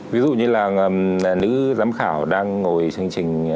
ví dụ như là nữ giám khảo đang ngồi chương trình